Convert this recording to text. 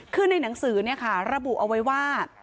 คือในหนังสือเนี่ยค่ะระบุเอาไว้ว่า